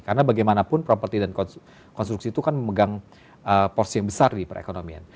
karena bagaimanapun properti dan konstruksi itu kan memegang porsi yang besar di perekonomian